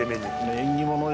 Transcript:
縁起物で。